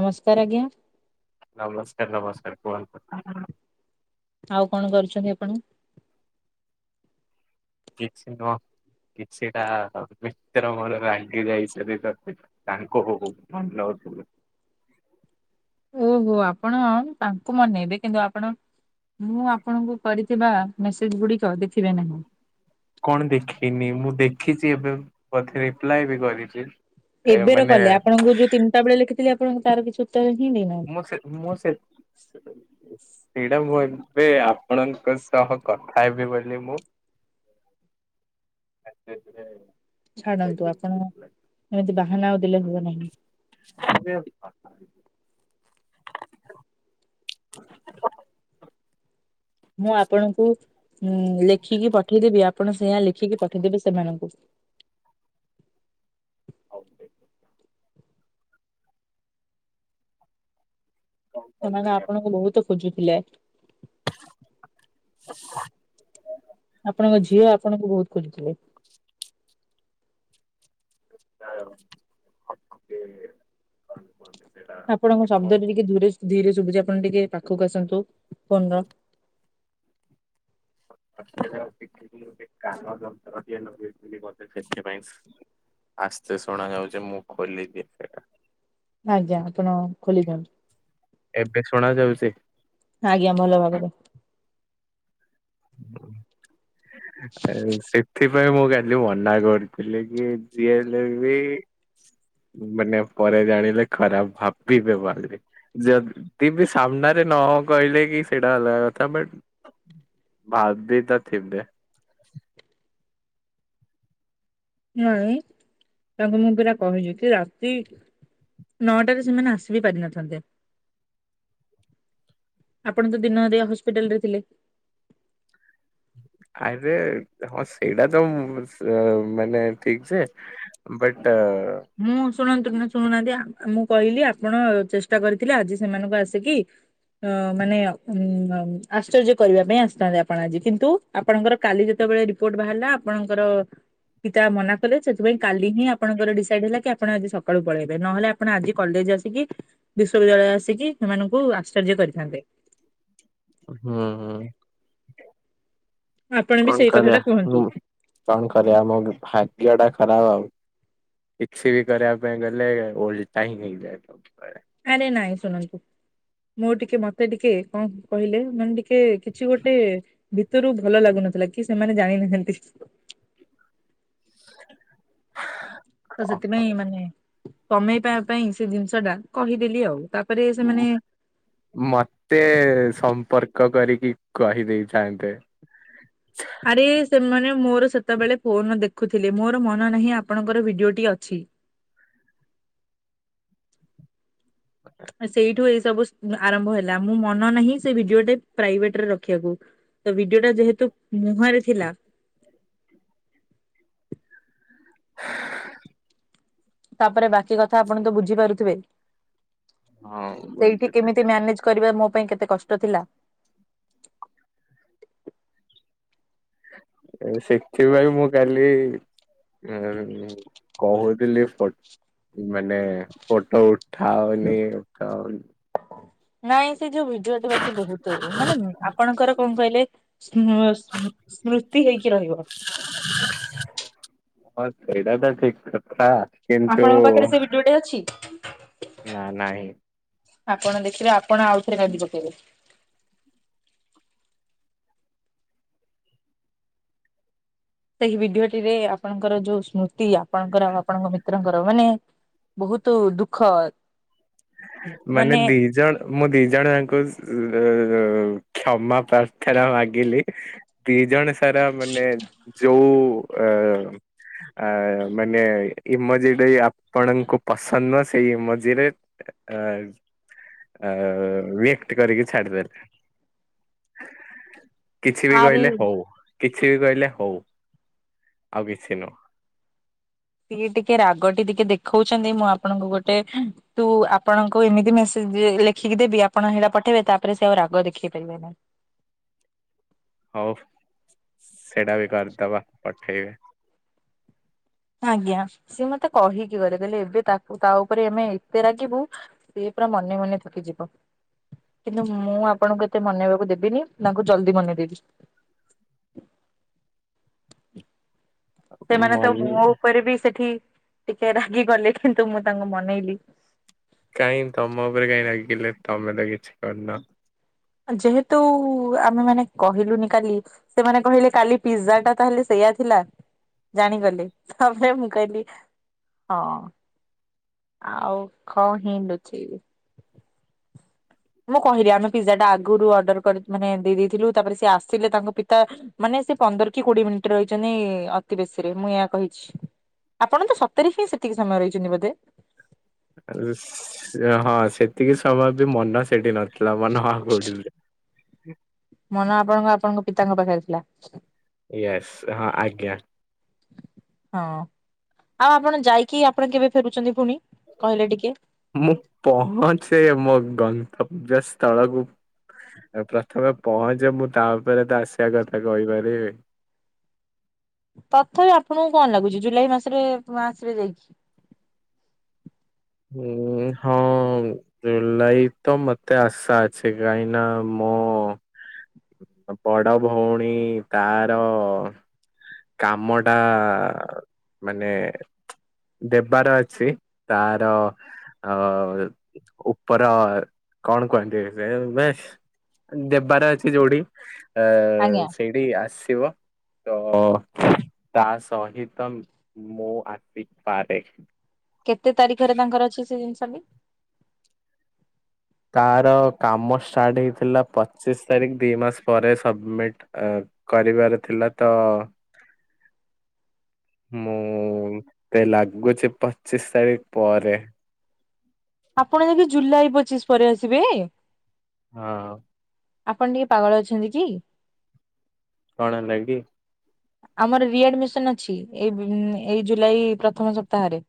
ନମସ୍କାର ଆଜ୍ଞା ନମସ୍କାର ନମସ୍କାର କୁହନ୍ତୁ। ଆଉ କଣ କରୁଛନ୍ତି ଆପଣ। କିଛି ନୁହଁ କିଛିଟା ମିତ୍ର ମୋର ରାଗି ଯାଇଛନ୍ତି ତ ତାଙ୍କୁ ମନଉଥିଲି ଓହୋ ଆପଣ ତାଙ୍କୁ ମନେଇବେ କିନ୍ତୁ ଆପଣ ମୁଁ ଆପଣଙ୍କୁ କରିଥିବା ମେସେଜ ଗୁଡିକ ଦେଖିବେ ନାହିଁ। କଣ ଦେଖିନି ମୁଁ ଦେଖିଛି ଏବେ ବୋଧହୁଏ ଏବେର କଲେ ଆପଣଙ୍କୁ ଯୋଉ ତିନିଟା ବେଳେ ଲେଖିଥିଲି ଆପଣ ତାର କିଛି ଉତ୍ତର ହିଁ ଦେଇନାହାନ୍ତି ମୁଁ ସେ ମୁଁ ସେ ସେଇଟା ମୁଁ ଏବେ ଆପଣଙ୍କ ସହ କଥା ହେବି ବୋଲି ମୁଁ ହ [unintelligible] ଛାଡ଼ନ୍ତୁ ଆପଣ ଏମିତି ବାହାନା ଆଉ ହେଲେ ହବ ନାହିଁ। ମୁଁ ଆପଣଙ୍କୁ ଉଁ ଲେଖିକି ପଠେଇଦେବି ଆପଣ ସେୟଆ ଲେଖିକି ପକେ ପଠେଇ ଦେବେ ସେମାନଙ୍କୁ। କଣ ସେମାନେ କରୁଛନ୍ତି ଆପଣଙ୍କୁ ବହୁତ ଖୋଜୁଥିଲେ? ଆପଣଙ୍କ ଝିଅ ଆପଣଙ୍କୁ ବହୁତ ଖୋଜୁଥିଲେ? ଆପଣଙ୍କ ଶବ୍ଦରେ ଟିକେ ଆପଣ? ଧୂରେ ଧୀରେ ଶୁଭୁଛି ଆପ ଆପଣ ଟିକେ ପାଖକୁ ଆସନ୍ତୁ ଫୋନ ର। ପାଖରେ ଅଛି ଟିକେ କାମ ଯନ୍ତ୍ର ଟିଏ ଲଗେଇଛି ବୋଧେ ସେଥିପାଇ ଆସ୍ତେ ଶୁଣାଯାଉଛି ମୁଁ ଖୋଲିିଦିଏ ସେଇଟା। ଆଜ୍ଞା ଆପଣ ଖୋଲିି ଦିଅନ୍ତୁ। ଏବେ ଶୁଣା ଯାଉଛି ଆଜ୍ଞା ଭଲ ଭାବରେ। ଏନ୍ ସେଥି ସେଥିପାଇ ମୁଁ କାଲି ମନା କରୁଥିଲି କି ଯିଏ ହେଲେ ବି ମାନେ ପରେ ଜାଣିଲେ ଖରାପ ଭାବିବେ ବୋଲି ଯଦି ବି ସାମ୍ନାରେ ନ ହଁ କହିଲେ କି ସେଇଟା ଅଲଗା କଥା ବଟ୍ ଭାବ ବି ତ ଥିବେ। ନାଇଁ ତାଙ୍କୁ ମୁଁ ପରା କହିଛି କି ରାତି ନଅଟାରେ ସେମାନେ ଆସି ବି ପାରିନଥାନ୍ତେ? ଆପଣ ତ ଦିନଦିଆ ହସ୍ପିଟାଲରେ ଥିଲେ। ଆରେ ହଁ ସେଇଟା ତ ଅ ମାନେ ଠିକ ଯେ ବଟ ମୁଁ ଶୁଣନ୍ତୁ କି ଶୁଣୁନାହାନ୍ତି ଆ ମୁଁ କହିଲି ଆପଣ ଚେଷ୍ଟା କରିଥିଲେ ଆଜି ସେମାନଙ୍କୁ ଆସିକି ଅ ମାନେ ଉ ଆଶ୍ଚର୍ଯ୍ୟ କରିବା ପାଇଁ ଆସିଥାନ୍ତି ଆପଣ ଆଜି କିନ୍ତୁ ଆପଣଙ୍କର କାଲି ଯେତେବେଳେ ଯେତେବେଳ ରିପୋର୍ଟ ବାହାରିଲା ଆପଣଙ୍କର ପିତା ମନା କଲେ ସେଥିପାଇଁ କାଲି ହିଁ ଆପଣଙ୍କର ଡିସ କି ଆପଣ ଆଜି ସକାଳୁ ପଳେଇବେ ନହେଲେ ଆପଣ ଆଜି କଲେଜ ଆସିକି ବିଶ୍ୱବିଦ୍ୟାଳୟ ଆସିକି ସେମାନଙ୍କୁ ଆସ୍- ଆସଜ୍ୟ କରିଥାନ୍ତେ। ହୁଁ। ଆପଣ ବି କଣ ସେଇ କଥାଟା କରିବା କୁହନ୍ତୁ। ହଁ କଣ କରିବା ମୋ ଭାଗ୍ୟ ଟା ଖରାପ ଆଉ କିଛି ବି କରିବା ପାଇଁ ଗଲେ ଓଲଟା ହିଁ ହେଇଯାଏ ସବୁ। ଆରେ ନାଇଁ ଶୁଣନ୍ତୁ। ମୁଁ ଟିକେ ମତେ ଟିକେ କଣ କହିଲେ ମାନେ ଟିକେ କିଛି ଗୋଟେ ଭିତରୁ ଭଲ ଲାଗୁନି। ନଥିଲା କି ସେମାନେ ଜାଣିନାହାନ୍ତି। ତ ସେଥିପାଇଁ ମାନେ କମେଇବା ପାଇଁ ସେ ଜିନିଷ ଟା କହିଦେଲି ଆଉ ତାକୁ ଉ ମତେ ସମ୍ପର୍କ କରି କି କହିଦେଇଥାନ୍ତେ। ଆରେ ସେମାନେ ମୋର ସେତେବେଳେ ଫୋନ ଦେଖୁଥିଲି ମୋର ମନ ନାହିଁ ଆପଣଙ୍କର ଭିଡିଓଟି ଅଛି। ଆ ସେଇଠୁ ଏଇ ସବୁ ଆରମ୍ଭ ହେଲା ମୁଁ ମନ ନାହିଁ ସେ ଭିଡିଓ ପ୍ରାଇଭେଟରେ ରଖିବାକୁ। ତ ଭିଡିଓ ଟା ଯେହେତୁ ମୁହଁରେ ଥିଲା। ତାପରେ ବାକି କଥା ଆପଣ ତ ବୁଝିପାରୁଥିବେ। ହଁ ସେଇଠି ବୁଝୁଛି। କେମିତି ମ୍ୟାନେଜ କରିବା ମୋ ପାଇଁ କେତେ କଷ୍ଟ ଥିଲା। ସେଥିପାଇ ମୁଁ କାଲି ଉ କହୁଥିଲି ଫଟ ମାନେ ଫୋଟୋ ଉଠାଉନି ଉଠାଉନି। ନାଇଁ ସେ ଯୋଉ ଭିଡିଓଟା ବାକି ବହୁତ ମାନେ ଆପଣଙ୍କର କଣ କହିଲେ ସ୍ମୃତି। ହେଇକି ରହିବ। ହଁ ସେଇଟା ତ ଠିକ କଥା। କିନ୍ତୁ ଆପଣଙ୍କ ପାଖରେ ସେ ଭିଡିଓଟି ଅଛି ନା ନାହିଁ। ଆପଣ ଦେଖିବେ ଆପଣ ଆଉଥରେ କାନ୍ଦି ପକେଇବେ। ସେଇ ଭିଡିଓଟିରେ ଆପଣଙ୍କର ଯୋଉ ସ୍ମୃତି ଆପଣଙ୍କର ଆଉ ଆପଣଙ୍କ ମିତ୍ରଙ୍କର ମାନେ ବହୁତ ଦୁଃଖ ମାନେ ଦି ଜଣ ମୁଁ ଦି ଜଣଙ୍କୁ ଓ କ୍ଷମା ପ୍ରାର୍ଥନା ମାଗିଲି ଦି ଜଣ ସାରା ମାନେ ଯୋଉ ଉ ଆ ଆ ମାନେ ଇମଜି ଯଦି ଆପଣଙ୍କୁ ପସନ୍ଦ ସେଇ ଇମଜିରେ ଆ ଆ ୱେକ୍ଟ କରିକି ଛାଡିଦେଲେ। କିଛି ବି ଆରି କହିଲେ ହଉ। କିଛି ବି କହିଲେ ହଉ ଆଉ କିଛି ନୁହଁ। ସିଏ ଟିକେ ରାଗଟି ଟିକେ ଦେଖଉଛନ୍ତି ମୁଁ ଆପଣଙ୍କୁ ଗୋଟେ ତୁ ଆପଣଙ୍କୁ ଏମିତି ମେସେଜ ଲେଖିକି ଦେବି ଆପଣ ହେଇଟା ପଠେଇବେ ତାପରେ ସେ ଆଉ ରାଗ ଦେଖେଇ ପାରିବେ ନାହିଁ। ହଉ ସେଇଟା ବି କରିଦବା ପଠେଇ ଆଜ୍ଞା ସିଏ ମତେ କହିକି ଗଲେ କହିଲେ ଏବେ ତାକୁ ତା ଉପରେ ଆମେ ଏତେ ରାଗିବୁ ସେ ପୁରା ମନେ ମନେ ଥକି ଯିବ। କିନ୍ତୁ ମୁଁ ଆପଣଙ୍କୁ ଏତେ ମନେଇବାକୁ ଦେବିନି ତାଙ୍କୁ ଜଲଦି ମନେଇ ଦେବି। ସେମାନେ ତ ମନି ମୁଁହ ଉପରେ ବି ସେଠି ଟିକେ ରାଗି ଗଲେ କିନ୍ତୁ ମୁଁ ତାଙ୍କୁ ମନେଇଲି। କାହିଁ ତମ ଉପରେ କାହିଁକି ରାଗି ଗଲେ ତମେ ତ କିଛି କରିନା। ଯେହେତୁ ଆମେ ମାନେ କହିଲୁନି କାଲି ସେମାନେ କହିଲେ କାଲି ପିଜଜା ଟା ତାହେଲେ ସେଇ ଥିଲା ଜାଣିଗଲେ ତାପରେ ମୁଁ କହିଲି ହଁ। ଆଉ କଣ ହି ଲୁଛି। ମୁଁ କହିଲି ଆମେ ପିଜ୍ଜା ଟା ଆଗରୁ ଅର୍ଡର କରି ମାନେ ଦେଇ ଦେଇଥିଲୁ ତାପରେ ସେ ଆସିଲେ ତାଙ୍କ ପିତା ମାନେ ସେ ପନ୍ଦର କି କୋଡିଏ ମିନିଟ ରହିଛନ୍ତି ଅତି ବେଶୀରେ ମୁଁ ଏହା କହିଛି। ଆପଣତ ସତରେ ହିଁ ସେତିକି ସମୟ ରହିଛନ୍ତି ବୋଧେ। ହଁ ସେତିକି ସମୟ ବି ମନ ସେଠି ନ ଲବଣ ଆଗୁଡଡୁରେ ମନ ଆପଣଙ୍କ ଆପଣଙ୍କ ପିତାଙ୍କ ପାଖରେ ଥିଲା। ୟସ୍ ହଁ ଆଜ୍ଞା। ହଁ ଆଉ ଆପଣ ଯାଇକି ଆପଣ କେବେ ଫେରୁଛନ୍ତି ପୁଣି କହିଲେ ଟିକେ। ମୁଁ ପହଞ୍ଚେ ମୋ ଗନ୍ତବ୍ୟ ସ୍ଥଳକୁ ପ୍ରଥମେ ପହଞ୍ଚେ ମୁଁ ତା ଉପରେ ତ ଆସିବା କଥା କହିପାରିବି। ତଥାପି ଆପଣଙ୍କୁ କଣ ଲାଗୁଛି ଜୁଲାଇ ମାସରେ ମାସରେ ଯାଇକି। ହୁଁ ହଁ। ଜୁଲାଇ ତ ମତେ ଆଶା ଅଛି କାହିଁକିନା ମୁଁ ବଡ ଭଉଣୀ ତାର କାମ ଟା ମାନେ ଦେବାର ଅଛି ତାର ଅ ଉପର କଣ କୁହନ୍ତି ଏଯାଏ ବେଶ ଦେବାର ଅଛି ଯୋଉଠି ଅ ଆଜ୍ଞା ସେଇଠି ଆସିବ ତ ତା ସହିତ ମୁଁ ଆସିପାରେ। କେତେ ତାରିଖରେ ତାଙ୍କର ଅଛି ସେ ଜିନିଷ ବି ତାର କାମ ଷ୍ଟାର୍ଟ ହେଇଥିଲା ପଚିଶ ତାରିଖ ଦି ମାସ ପରେ ସବମିଟ୍ ଅ। କରିବାର ଥିଲା ତ ମୁଁ ତ ଲାଗୁଛି ପଚିଶ ତାରିଖ ପରେ। ଆପଣ ଯଦି ଜୁଲାଇ ପଚିଶ ପରେ ଆସିବେ? ହଁ। ଆପଣ ଟିକେ ପାଗଳ ଅଛନ୍ତି କି? କଣ ହେଲା କି? ଆମର ରିଡମିସନ ଅଛି ଏ ଏଇ ଜୁଲାଇ ପ୍ରଥମ ସପ୍ତାହରେ।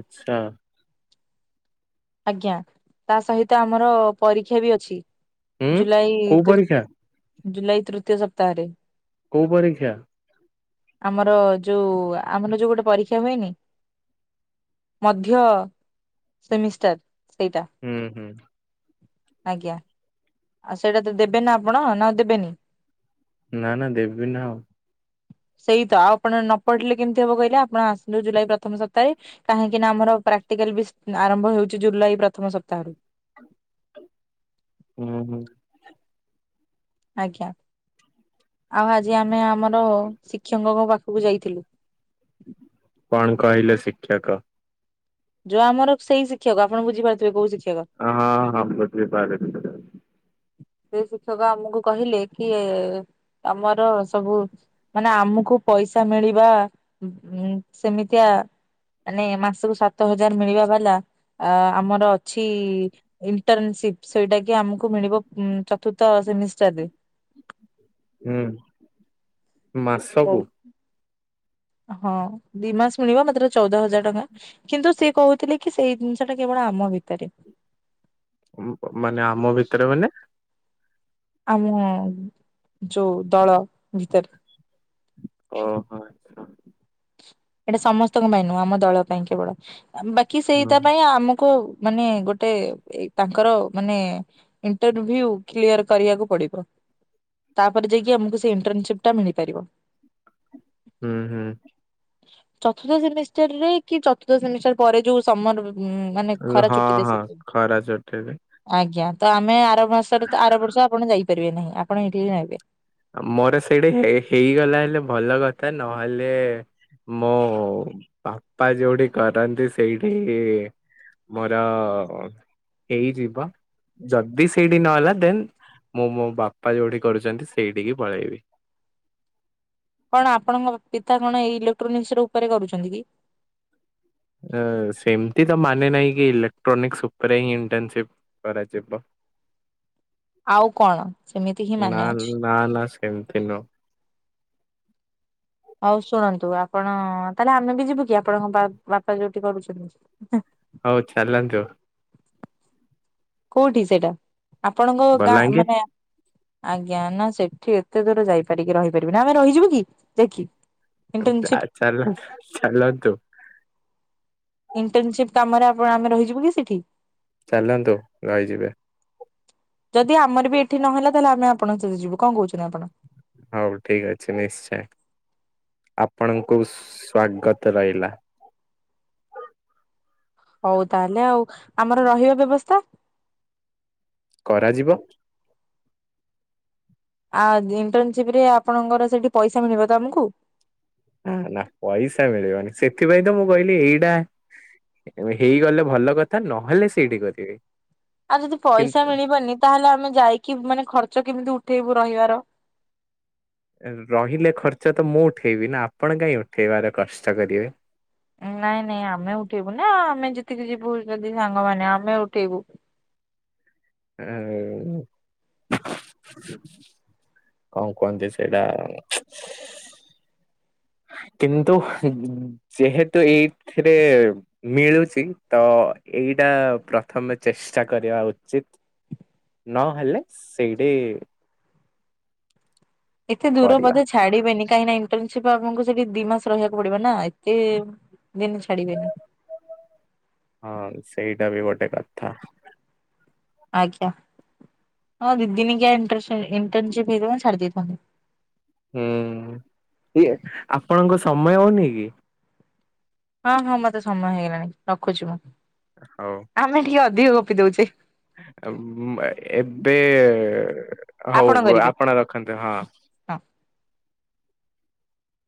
ଆଚ୍ଛା। ଆଜ୍ଞା ତା ସହିତ ଆମର ପରୀକ୍ଷା ବି ଅଛି। ହୁଁ ଜୁଲାଇ କୋଉ ତୃ ପରୀକ୍ଷା ଜୁଲାଇ ତୃତୀୟ ସପ୍ତାହରେ। କୋଉ ପରୀକ୍ଷା? ଆମର ଯୋଉ ଆମର ଯୋଉ ଗୋଟେ ପରୀକ୍ଷା ହୁଏନି ମଧ୍ୟ ସେମିଷ୍ଟାର। ସେଇଟା ହୁଁ ହୁଁ। ଆଜ୍ଞା ଆଉ ସେଇଟା ତ ଦେବେ ନା ଆପଣ ନା ଦେବେନି? ନା ନା ଦେବି ନା ଆଉ। ସେଇ ତ ଆଉ ଆପଣ ନ ପଢିଲେ କେମିତି ହବ କହିଲେ ଆପଣ ଆସିଲୁ ଜୁଲାଇ ପ୍ରଥମ ସପ୍ତାହରେ କାହିଁକି ନା ଆମର ପ୍ରାକଟି ପ୍ରାକ୍ଟିକାଲ ଆରମ୍ଭ ହେଉଛି ଜୁଲାଇ ପ୍ରଥମ ସପ୍ତାହରୁ। ହଁ ହୁଁ ହୁଁ। ଆଜ୍ଞା ଆଉ ଆଜି ଆମେ ଆମର ଶିକ୍ଷକଙ୍କ ପାଖ କୁ ଯାଇଥିଲୁ? କଣ କହିଲେ ଶିକ୍ଷକ? ଯୋଉ ଆମର ସେଇ ଶିକ୍ଷକ ଆପଣ ବୁଝିପାରୁଥିବେ କୋଉ ଶିକ୍ଷକ? ହଁ ହଁ ବୁଝିପାରିଲି ସେ ଶିକ୍ଷକ ଆମକୁ କହିଲେ କି ଆମର ସବୁ ମାନେ ଆମକୁ ପଇସା ମିଳିବା ଉ ସେମିତିଆ ମାନେ ମାସକୁ ସାତ ହଜାର ମିଳିବା ବାଲା ଅ ଆମର ଛି ଇଣ୍ଟରନସିପ ସେଇଟା କି ଆମକୁ ମିଳିବ ଉଁ ଚତୁର୍ଥ ସେମିଷ୍ଟାର ରେ। ହୁଁ ହଉ। ମାସକୁୁ ହଁ ଦି ମାସ ମିଳିବ ମାତ୍ର ଚଉଦ ହଜାର ଟଙ୍କା କିନ୍ତୁ ସିଏ କହୁଥିଲେ କି ସେଇ ଜିନିଷ ଟା କେବଳ ଆମ ଭିତରେ। ମାନେ ଆମ ଭିତରେ ମାନେ ଆମ ଯୋଉ ଦଳ ଭିତରେ। ଓ ହୋ ଆଚ୍ଛା। ଏଇଟା ସମସ୍ତଙ୍କ ପାଇଁ ନୁହଁ ଆମ ଦଳ ପାଇଁ କେବଳ ବାକି ହୁଁ। ସେଇଟା ପାଇଁ ଆମକୁ ମାନେ ଗୋଟେ ଏ ତାଙ୍କର ମାନେ ଇଣ୍ଟରଭି୍ୟୁ କ୍ଲିୟର କରିବାକୁ ପଡିବ। ତାପରେ ଯାଇକି ଆମକୁ ସେ ଇଣ୍ଟର୍ନସିପ ଟା ମିଳିପାରିବ। ହୁଁ ହୁଁ। ଚତୁର୍ଥ ସେମିଷ୍ଟାର ରେ କି ଚତୁର୍ଥ ସେମିଷ୍ଟାର ପରେ ଯୋଉ ସମର ହୁଁ ମାନେ ଖରା ହଁ ଛୁଟି ହଁ ଦେବେ ଖରା ଚଟରେ ଆଜ୍ଞା। ତ ଆମେ ଆର ମାସରେ ତ ଆର ବର୍ଷ ଆପଣ ଯାଇପାରିବେ ନାହିଁ ଆପଣ ଏଇଠି ହିଁ ରହିବେ। ମୋର ସେଇଟା ହେଇ ହେଇଗଲା ହେଲା ଭଲ କଥା ନହେଲେ ମୋ ବାପା ଯୋଉଠି କରନ୍ତି ସେଇଠି ମୋର ହେଇଯିବ ଯଦି ସେଇଠି ନହେଲା ଦେନ୍ ମୁଁ ମୋ ବାପା ଯୋଉଠି କରୁଛନ୍ତି ସେ ସେଇଠିକି ପଳେଇବି। କଣ ଆପଣଙ୍କ ପିତା କଣ ଏଇ ଇଲେକ୍ଟ୍ରୋନିକ୍ସ ର ଉପରେ କରୁଛନ୍ତି କି? ସେମିତି ତ ମାନେ ନାହିଁ କି- ଇଲେକ୍ଟ୍ରୋନିକ୍ସ ଉପରେ ହିଁ ଇଣ୍ଟନସିପ କରାଯିବ। ଆଉ କଣ? ସେମିତି ହିଁ ମାନେ ଅଛି। ଏମତି ନ ହଉ ଶୁଣନ୍ତୁ, ଆପଣ ତାହେଲେ ଆମେ ବି ଯିବୁ କି ଆପଣଙ୍କ ବାପା ଯୋଉଠି କରୁଛନ୍ତି। ହଉ ଚାଲନ୍ତୁ। କୋଉଠି ସେଇଟା, ଆପଣଙ୍କ ଗାଁ ବଲାଙ୍ଗୀର ମାନେ ଆଜ୍ଞା, ନା ସେଠି ଏତେ ଦୂର ଯାଇପାରିକି, ରହିପାରିବି ନା ଆମେ ରହିଯିବୁ କି ଦେଖି ଚାଲ, ଚାଲନ୍ତୁ। ଇଣ୍ଟର୍ନସିପ କାମରେ ଆପଣ ଆମେ ରହିଯିବୁ କି ସେଠି ଚାଲନ୍ତୁ ରହିଯିବେ। ଯଦି ଆମର ଏଠି ନ ହେଲା ତାହେଲେ ଆମ ଆପଣଙ୍କ ସହିତ ଯିବୁ, କଣ କହୁଛନ୍ତି? ଆପଣ? ହଉ ଠିକ ଅଛି, ନିଶ୍ଚୟ। ଆପଣଙ୍କୁ ସ୍ୱାଗତ ରହିଲା। ହଉ ତାହେଲେ, ଆଉ ଆମର ରହିବା ବ୍ୟବସ୍ଥା କରାଯିବ। ଆଉ ଇଣ୍ଟରନସିପ ରେ ଆପଣଙ୍କର ସେଠି ପଇସା ମିଳିବ ତ ଆମକୁ? ନା ପଇସା ମିଳିବନି, ସେଥିପାଇଁ ତ ମୁଁ କହିଲି ଏଇଟା ହେଇଗଲେ ଭଲ କଥା, ନହେଲେ ସେଇଠି କରିବେ। ଆଉ ଯଦି ପଇସା କିନ୍ତୁ ମିଳିବନି, ତାହେଲେ ଆମେ ଯାଇକି ମାନେ ଖର୍ଚ୍ଚ କେମିତି ଉ ଏଠେଇକୁୁ ରହିବାର ରହିଲେ ଖର୍ଚ୍ଚ ତ ମୁଁ ଉଠେଇବି ନା, ଆପଣ କାହିଁ ଉଠେଇବାର କଷ୍ଟ କରିବେ। ନାଇଁ ନାଇଁ, ଆମେ ଉଠେଇବୁ ନା ଆମେ ଯେତିକି ଯିବୁ, ଯଦି ସାଙ୍ଗମାନେ ଆମେ ଉଠେଇବୁ ହଁ [unintelligible] କଣ କୁହନ୍ତି ସେଇଟା? [inaudible] କିନ୍ତୁ, ଯେହେତୁ ଏଇଥିରେ ମିଳୁଛି, ତ ଏ ଏଇଟା ପ୍ରଥମେ ଚେଷ୍ଟା କରିବା ଉଚିତ। ନହେଲେ ସେଇଠି ଏତେ ଦୂର କରିବା ବୋଧେ ଛାଡିବେନି, କାଇଁନା ଆପ ସେଠି ଦି ମାସ ରହିବାକୁ ପଡିବ ନା, ଏତେ ଦିନ ଛାଡିବେନି ହଁ, ସେଇଟା ବି ଗୋଟେ କଥା। ଆଜ୍ଞା। ହଁ ଦିଦିନ ଇଣ୍ଟରନସିପ ହେଇିବ ଛାଡି ଦେଇଥାନ୍ତି। ହୁଁ, ଏ ଆପଣଙ୍କ ସମୟ ହଉନି କି? ହଁ, ହଁ, ମତେ ସମୟ ହେଇଗଲାଣି, ରଖୁଛି ମୁଁ ହଉ। ଅଧି ଗୋପି ଦଉଛି [unintelligible] ଏବେ, ଆପଣ ହଉ କରିବେ ଆପଣ ରଖନ୍ତୁ, ହଁ ହଁ।